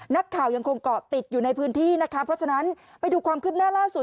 นักข่าวยังคงเกาะติดอยู่ในพื้นที่นะคะเพราะฉะนั้นไปดูความคืบหน้าล่าสุด